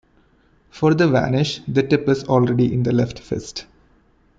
For the vanish, the tip is already in the left fist.